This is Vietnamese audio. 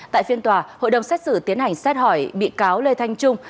tại phiên tòa hội đồng xét xử tiến hành xét hỏi bị cáo lê thanh trung